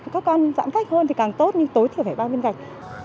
các con giãn cách hơn thì càng tốt nhưng tối thiểu phải bao viên gạch